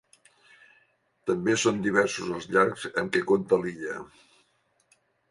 També són diversos els llacs amb què compta l'illa.